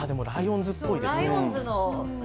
ライオンズっぽいですね。